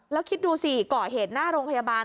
แล้วคิดดูสิก่อเหตุหน้าโรงพยาบาล